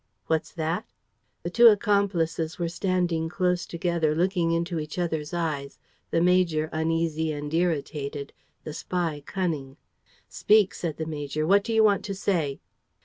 "What's that?" The two accomplices were standing close together, looking into each other's eyes, the major uneasy and irritated, the spy cunning. "Speak," said the major. "What do you want to say?"